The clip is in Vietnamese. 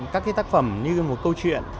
các tác phẩm như một câu chuyện